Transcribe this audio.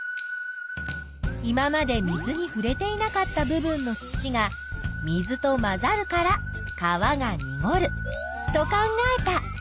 今まで水にふれていなかった部分の土が水と混ざるから川がにごると考えた。